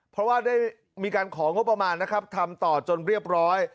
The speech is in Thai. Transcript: เพราะว่าได้มีการของงบประมาณนะครับทำต่อจนเรียบร้อย